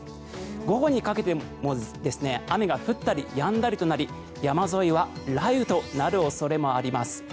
午後にかけても雨が降ったりやんだりとなり山沿いは雷雨となる恐れもあります。